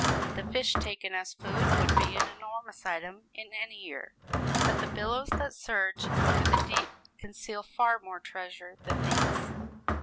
The fish taken as food would be an enormous item in any year: but the billows that surge over the deep conceal far more treasure than these.